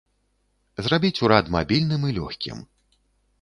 Зрабіць урад мабільным і лёгкім.